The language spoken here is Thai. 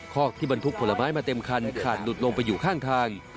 คอกที่บรรทุกผลไม้มาเต็มคันขาดหลุดลงไปอยู่ข้างทาง